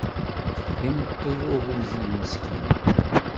D imeṭṭi n ugujil meskin.